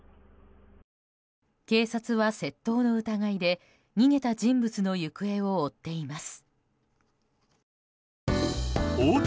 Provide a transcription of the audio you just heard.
警察は窃盗の疑いで逃げた人物の行方を追っています。